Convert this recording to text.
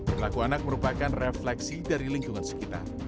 perlaku anak merupakan refleksi dari lingkungan sekitar